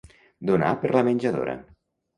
Donar per la menjadora.